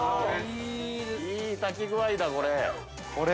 ◆いい炊き具合だ、これ。